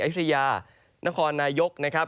ไอศรียานครนายกนะครับ